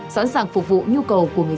sẵn sàng phục vụ nhu cầu của người dân